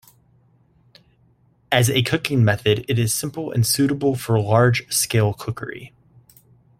As a cooking method it is simple and suitable for large scale cookery.